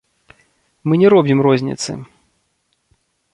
Мы не робім розніцы.